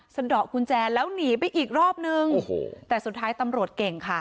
สะดอกกุญแจแล้วหนีไปอีกรอบนึงโอ้โหแต่สุดท้ายตำรวจเก่งค่ะ